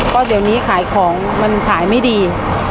เพราะเดี๋ยวนี้ขายของมันขายไม่ดี